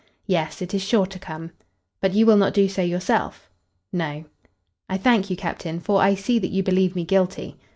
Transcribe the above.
"Yes; it is sure to come." "But you will not do so yourself?" "No." "I thank you, captain, for I see that you believe me guilty."